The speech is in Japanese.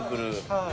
はい。